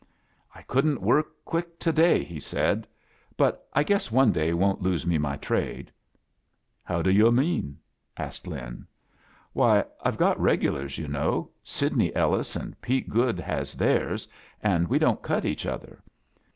"I couldn't work quick to^y," he said. "But I guess one day won't lose me my trade." "Haw d' yu' mean?" asked Lin. Why, Fve got r^ulars, you know. Sidney EQis an' Pete Goode has theirs, an' we don't cut each other.